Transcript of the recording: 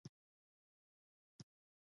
څادر د ناستې لپاره فرش دی.